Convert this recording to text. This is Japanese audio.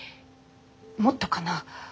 もっとかな。